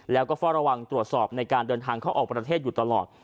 แล้วก็เฝ้าระวังตรวจสอบในการเดินทางเข้าออกประเทศอยู่ตลอด